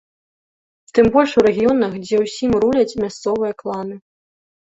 Тым больш у рэгіёнах, дзе ўсім руляць мясцовыя кланы.